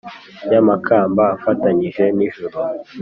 ya makamba afatanye n' ijuru